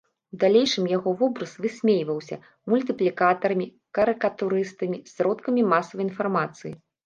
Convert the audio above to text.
У далейшым яго вобраз высмейваўся мультыплікатарамі, карыкатурыстамі, сродкамі масавай інфармацыі.